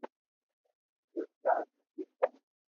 جو چار مݾين ھي